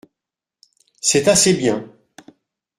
C’est assez bien.